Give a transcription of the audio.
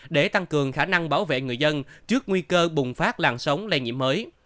để tăng cường khả năng bảo vệ người dân trước nguy cơ bùng phát làn sóng lây nhiễm mới